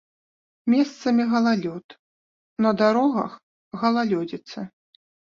Месцамі галалёд, на дарогах галалёдзіца.